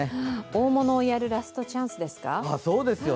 大物をやるラストチャンスですか？